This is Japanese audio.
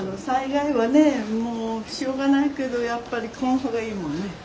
災害はねもうしょうがないけどやっぱり来ん方がいいもんね。